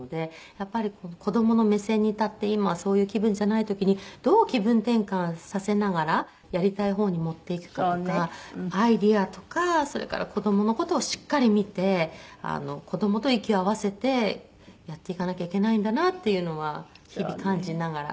やっぱり子どもの目線に立って今はそういう気分じゃない時にどう気分転換させながらやりたい方に持っていくかとかアイデアとかそれから子どもの事をしっかり見て子どもと息を合わせてやっていかなきゃいけないんだなっていうのは日々感じながら。